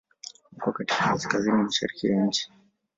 Uko katika Kaskazini mashariki ya nchi.